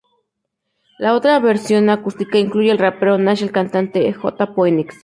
La otra versión acústica incluye al rapero Nas y al cantante J. Phoenix.